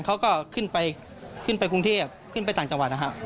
เขาก็ขึ้นไปขึ้นไปกรุงเทพขึ้นไปต่างจังหวัดนะครับ